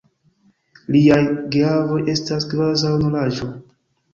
Liaj geavoj estas kvazaŭ nulaĵo.